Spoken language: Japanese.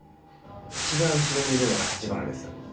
一番後ろにいるのが橘です。